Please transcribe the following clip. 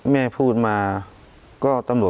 แม่พูดมา